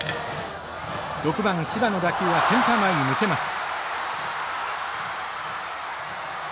６番柴の打球はセンター前に抜けます。